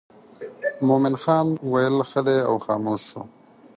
مومن خان ویل ښه دی او خاموش شو.